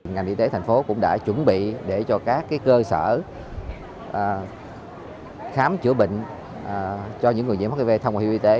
ngành y tế tp hcm cũng đã chuẩn bị để cho các cơ sở khám chữa bệnh cho những người nhiễm hiv thông qua hiệu y tế